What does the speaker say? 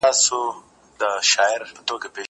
که وخت وي، کتاب وليکم؟!؟!